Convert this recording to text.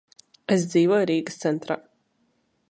Es dzīvoju Rīgas centrā.